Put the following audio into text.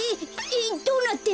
えっどうなってるの？